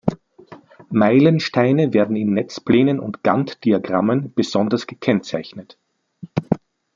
Meilensteine werden in Netzplänen und Gantt-Diagrammen besonders gekennzeichnet.